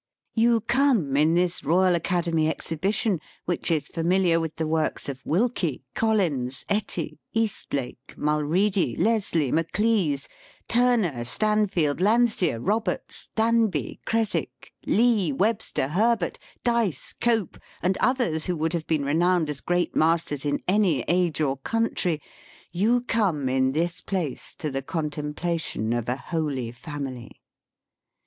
" You come — in this Eoyal Academy Exhi bition, which is familial with the works of WILKIE, COLLINS, ETTY, EASTLAKE, LESLIE, MACLISE, TURNER, STANFIELD, LANDSEER, EGBERTS, DANBY, CRESWICK, LEE, WEBSTER, HERBERT, DYCE, COPE, and others who would have been renowned as great masters in any age or country — you come, in this place, to the contemplation of a Holy Family.